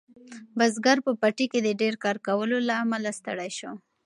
بزګر په پټي کې د ډیر کار کولو له امله ستړی شو.